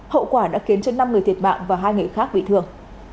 hậu quả đã khiến cho năm người thiệt mạng và hai người khác bị thương